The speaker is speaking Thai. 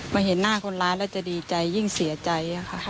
เห็นหน้าคนร้ายแล้วจะดีใจยิ่งเสียใจค่ะ